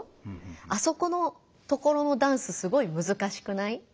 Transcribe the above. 「あそこのところのダンスすごいむずかしくない？」。